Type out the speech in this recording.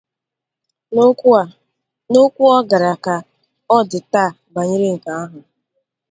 N'okwu ọ gwara Ka Ọ Dị Taa banyere nke ahụ